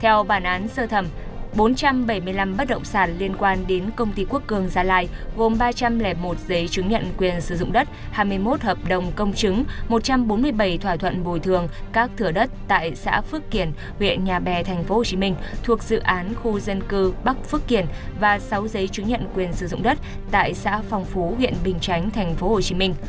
theo bản án sơ thẩm bốn trăm bảy mươi năm bất động sản liên quan đến công ty quốc cường gia lai gồm ba trăm linh một giấy chứng nhận quyền sử dụng đất hai mươi một hợp đồng công chứng một trăm bốn mươi bảy thỏa thuận bồi thường các thửa đất tại xã phước kiển huyện nhà bè tp hcm thuộc dự án khu dân cư bắc phước kiển và sáu giấy chứng nhận quyền sử dụng đất tại xã phong phú huyện bình tránh tp hcm